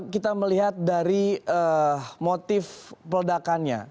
jika kita melihat dari motif pedakannya